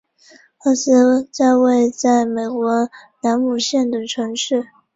厄斯为位在美国兰姆县的城市。